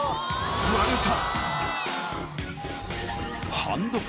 割れた！